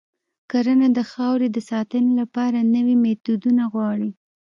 کرنه د خاورې د ساتنې لپاره نوي میتودونه غواړي.